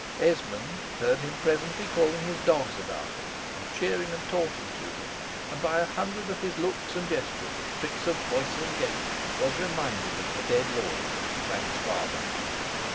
Esmond heard him presently calling his dogs about him, and cheering and talking to them; and by a hundred of his looks and gestures, tricks of voice and gait, was reminded of the dead lord, Frank's father.